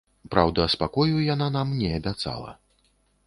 Праўда, спакою яна нам не абяцала.